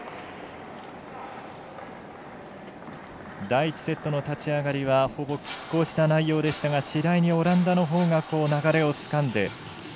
第１セットの立ち上がりはほぼきっ抗した内容でしたが次第にオランダのほうが流れをつかんで。